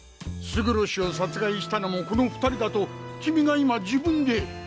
勝呂氏を殺害したのもこの２人だと君が今自分で。